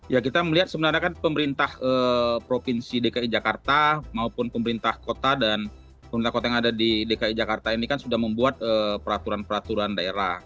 ya kita melihat sebenarnya kan pemerintah provinsi dki jakarta maupun pemerintah kota dan pemerintah kota yang ada di dki jakarta ini kan sudah membuat peraturan peraturan daerah